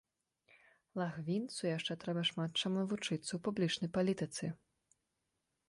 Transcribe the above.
Лагвінцу яшчэ трэба шмат чаму вучыцца ў публічнай палітыцы.